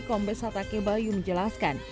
kombe satake bayu menjelaskan